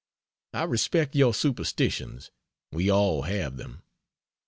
I respect your superstitions we all have them.